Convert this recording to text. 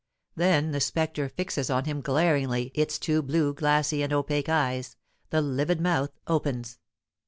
Then the spectre fixes on him glaringly its two blue, glassy, and opaque eyes; the livid mouth opens.